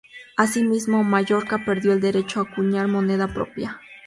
Asimismo Mallorca perdió el derecho a acuñar moneda propia.